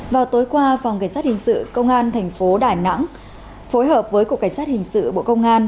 vào tối qua phòng cảnh sát hình sự công an tp đài nẵng phối hợp với cục cảnh sát hình sự bộ công an